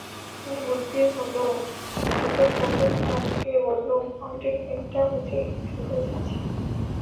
কী বুদ্ধি হল বুকের পকেট চাপড়িয়ে বললুম, ফাউন্টেন পেনটা বুঝি ফেলে এসেছি।